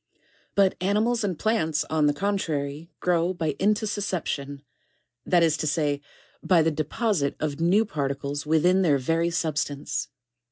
8. But animals and plants on the contrary grow by intussus ception, that is to say, by the deposite of new particles within their very substance.